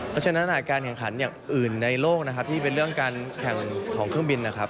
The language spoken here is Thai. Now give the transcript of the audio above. เพราะฉะนั้นการแข่งขันอย่างอื่นในโลกนะครับที่เป็นเรื่องการแข่งของเครื่องบินนะครับ